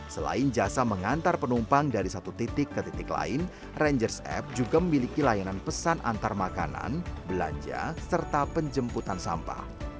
selain jasa mengantar penumpang dari satu titik ke titik lain rangers app juga memiliki layanan pesan antar makanan belanja serta penjemputan sampah